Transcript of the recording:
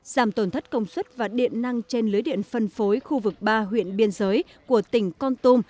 giảm tổn thất công suất và điện năng trên lưới điện phân phối khu vực ba huyện biên giới của tỉnh con tum